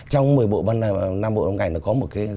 trong một mươi năm bộ ba ngày nó có một cái